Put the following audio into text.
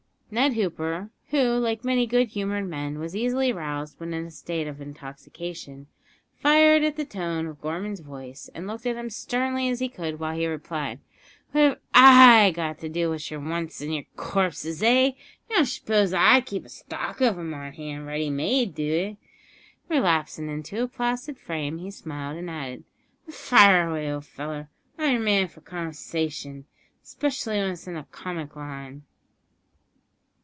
Ned Hooper, who, like many good humoured men, was easily roused when in a state of intoxication, fired at the tone of Gorman's voice, and looked at him as sternly as he could, while he replied: "What have I got to do with yer wants an' yer co'pses eh? You don't sh'pose I keep a stock of 'em on hand ready made, do you eh?" Then relapsing into a placid frame, he smiled, and added, "But fire away, ol' feller, I'm yer man for conv'sashin, specially w'en it's in the comic line."